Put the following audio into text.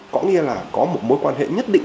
có nghĩa là có một mối quan hệ nhất định